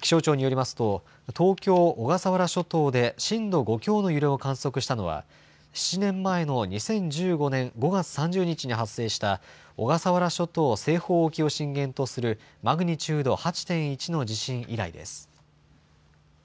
気象庁によりますと東京小笠原諸島で震度５強の揺れを観測したのは７年前の２０１５年５月３０日に発生した小笠原諸島西方沖を震源とするマグニチュード８．１の地震以来です。